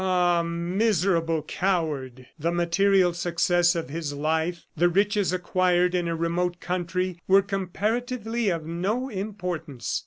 Ah, miserable coward! The material success of his life, the riches acquired in a remote country, were comparatively of no importance.